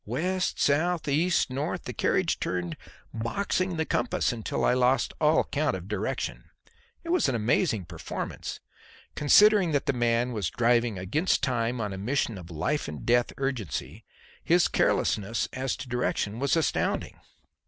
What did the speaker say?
West, south, east, north, the carriage turned, "boxing" the compass until I lost all count of direction. It was an amazing performance. Considering that the man was driving against time on a mission of life and death urgency, his carelessness as to direction was astounding.